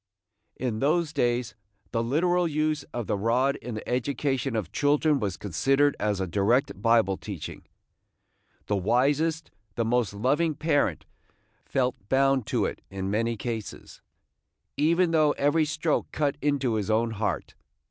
In those days the literal use of the rod in the education of children was considered as a direct Bible teaching. The wisest, the most loving parent felt bound to it in many cases, even though every stroke cut into his own heart.